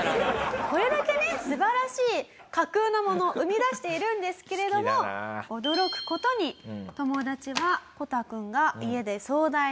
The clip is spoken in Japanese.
これだけね素晴らしい架空のもの生み出しているんですけれども驚く事になんでよ！